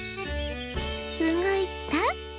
うごいた？